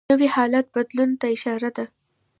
نوی حالت بدلون ته اشاره ده